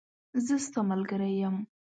زه ستاملګری یم .